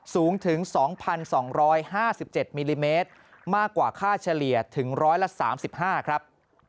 สูงถึง๒๒๕๗มิลลิเมตรมากกว่าค่าเฉลี่ยถึง๑๓๕ครับ